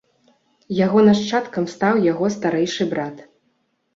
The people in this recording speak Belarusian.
Яго нашчадкам стаў яго старэйшы брат.